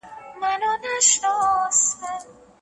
انسانانو د کائناتو په اړه ډېر معلومات ترلاسه کړي دي.